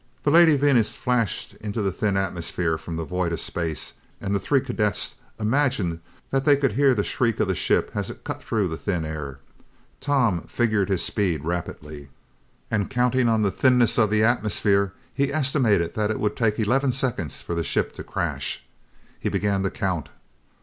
The Lady Venus flashed into the thin atmosphere from the void of space and the three cadets imagined that they could hear the shriek of the ship as it cut through the thin air. Tom figured his speed rapidly, and counting on the thinness of the atmosphere, he estimated that it would take eleven seconds for the ship to crash. He began to count.